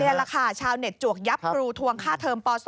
นี่แหละค่ะชาวเน็ตจวกยับครูทวงค่าเทอมป๒